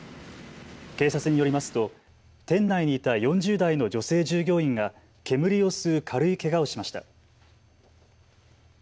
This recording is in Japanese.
警察によりますと店内にいた４０代の女性従業員が煙を吸う軽いけがをしました。